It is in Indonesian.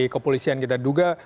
kepolisian kita duga